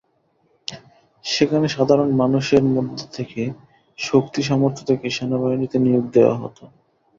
সেখানে সাধারণ মানুষের মধ্য থেকে শক্তি-সামর্থ্য দেখে সেনাবাহিনীতে নিয়োগ দেওয়া হতো।